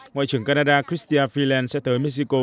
ngoại trưởng canada chrystia freeland sẽ tới mexico